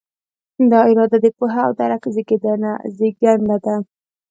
دا اراده د پوهې او درک زېږنده ده.